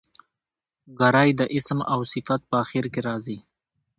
ګری د اسم او صفت په آخر کښي راځي.